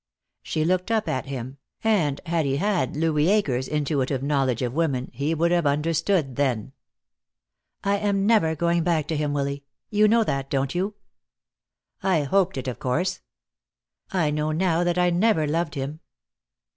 She looked up at him, and had he had Louis Akers' intuitive knowledge of women he would have understood then. "I am never going back to him, Willy. You know that, don't you?" "I hoped it, of course." "I know now that I never loved him."